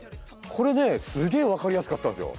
これねすげえ分かりやすかったんですよ。